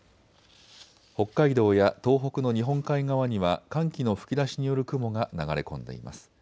北海道や東北の日本海側には寒気の吹き出しによる雲が流れ込んでいます。